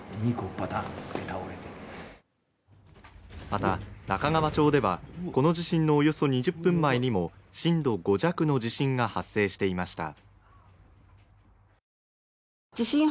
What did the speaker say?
また中川町では、この地震のおよそ２０分前にも震度５弱の地震が発生していました